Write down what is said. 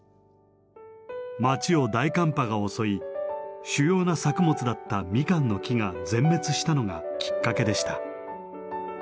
町を大寒波が襲い主要な作物だったミカンの木が全滅したのがきっかけでした。